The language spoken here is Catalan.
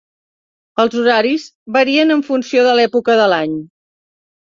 Els horaris varien en funció de l'època de l'any.